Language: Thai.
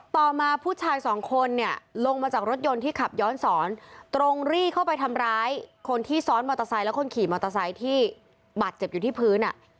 ต่อมาผู้ชายสองคนเนี่ยลงมาจากรถยนต์ที่ขับย้อนสอนตรงรีเข้าไปทำร้ายคนที่ซ้อนมอเตอร์ไซค์และคนขี่มอเตอร์ไซค์ที่บาดเจ็บอยู่ที่พื้น